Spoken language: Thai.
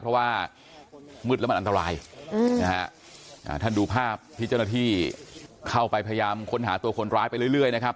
เพราะว่ามืดแล้วมันอันตรายนะฮะท่านดูภาพที่เจ้าหน้าที่เข้าไปพยายามค้นหาตัวคนร้ายไปเรื่อยนะครับ